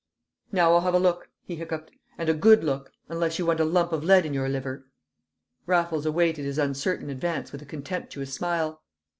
"Now I'll have a look," he hiccoughed, "an' a good look, unless you want a lump of lead in your liver!" Raffles awaited his uncertain advance with a contemptuous smile.